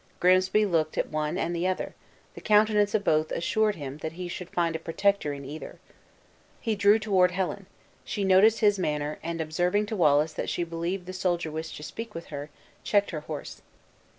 Grimsby looked at one and the other; the countenances of both assured him that he should find a protector in either. He drew toward Helen; she noticed his manner, and observing to Wallace that she believed the soldier wished to speak with her, checked her horse.